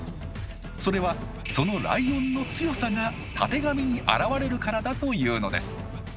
それはそのライオンの「強さ」がたてがみに表れるからだというのです。